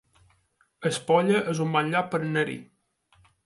Espolla es un bon lloc per anar-hi